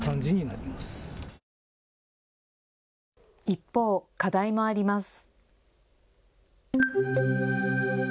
一方、課題もあります。